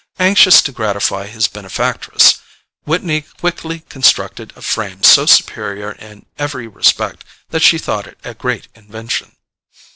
Anxious to gratify his benefactress, Whitney quickly constructed a frame so superior in every respect that she thought it a great invention.